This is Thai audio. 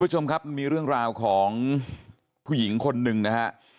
คุณผู้ชมครับมันมีเรื่องราวของผู้หญิงคนหนึ่งนะฮะ